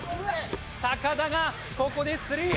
田がここでスリー！